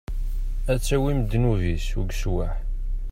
Ad tawim ddnub-is, ugeswaḥ.